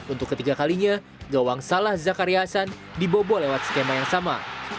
untuk ketiga kalinya gawang salah zakariasan dibobol lewat skema yang sama